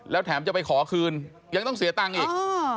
แล้วแถมจะไปขอคืนยังต้องเสียตังค์อีก